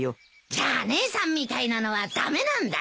じゃあ姉さんみたいなのは駄目なんだね。